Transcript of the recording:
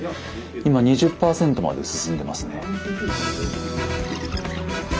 今２０％まで進んでますね。